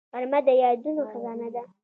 غرمه د یادونو خزانه ده